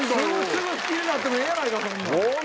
すぐ好きになってもええやないか。